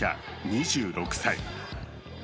２６歳。